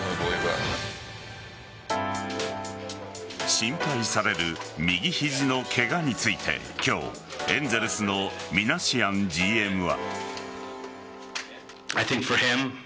心配される右肘のケガについて今日エンゼルスのミナシアンＧＭは。